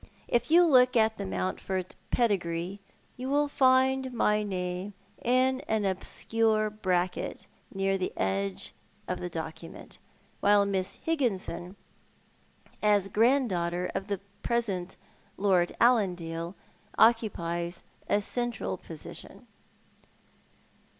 If you look at the Mount ford pedigree you will find my name in an obscure bracket near the edge of the document, while Miss Higginson, as grand daughter of tlie present Lord Allandale, occupies a central position."